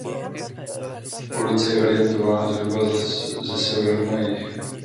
Ulice je orientována zhruba ze severu na jih.